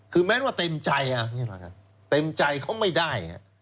คือแม้ว่าเต็มใจเต็มใจเขาไม่ได้